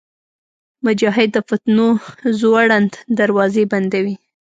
مجاهد د فتنو زوړند دروازې بندوي.